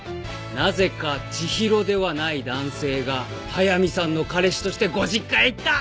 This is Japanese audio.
なぜか知博ではない男性が速見さんの彼氏としてご実家へ行った！